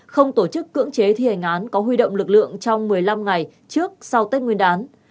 không tổ chức cưỡng chế thi hành án có huy động lực lượng trong một mươi năm ngày trước sau tết nguyên đán